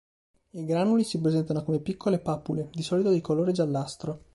I granuli si presentano come piccole papule, di solito di colore giallastro.